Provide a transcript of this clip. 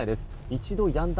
一度やんだ